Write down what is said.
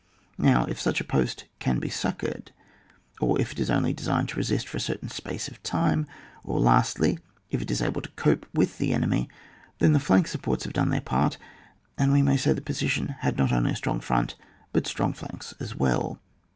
Now if such a post can be suc coured, or if it is only designed to resist for a certain space of time, or lastly, if it is able to cope with the enemy, then the flank supports have done their part, and we may say the position had not only a strong front, but strong flanks as well.